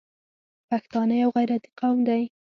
پښتانه یو غیرتي قوم دی.